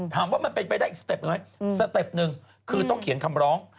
ถามว่ามันเป็นไปได้อีกสเต็ปหนึ่งไหมสเต็ปหนึ่งคือต้องเขียนคำร้อง